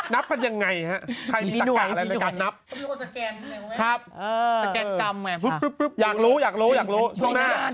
นับกันยังไงฮะใครมีสักการณ์อะไรกันนับ